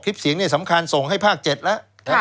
คลิปเสียงนี่สำคัญส่งให้ภาค๗แล้ว